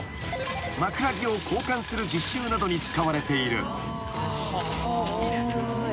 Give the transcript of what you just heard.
［枕木を更換する実習などに使われている］